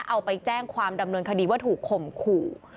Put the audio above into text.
เอาไปแจ้งความดำเนินคดีว่าถูกข่มขู่